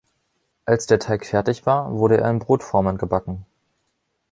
Als der Teig fertig war, wurde er in Brotformen gebacken.